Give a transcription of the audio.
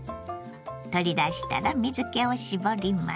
取り出したら水けを絞ります。